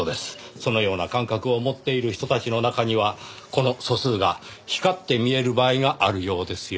そのような感覚を持っている人たちの中にはこの素数が光って見える場合があるようですよ。